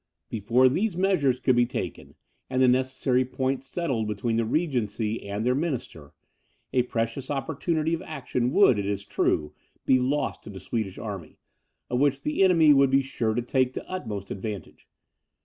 Before these measures could be taken, and the necessary points settled between the regency and their minister, a precious opportunity of action would, it is true, be lost to the Swedish army, of which the enemy would be sure to take the utmost advantage.